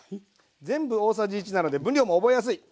全部大さじ１なので分量も覚えやすい。